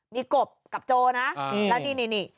มีกบกับโจนะแล้วนี่